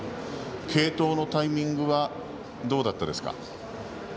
継投のタイミングはどうだったですか？